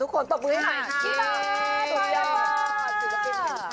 ทุกคนตอบมือให้ใหม่